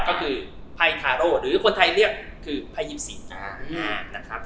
ก็คือไพทาโรห์หรือคนไทยเรียกคือไพยิบสิน